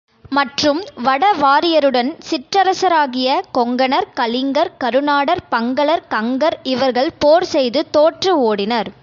மற்றும் வட வாரியருடன் சிற்றரசராகிய கொங்கணர், கலிங்கர், கருநாடர், பங்களர், கங்கர் இவர்கள் போர் செய்து தோற்று ஓடினர்.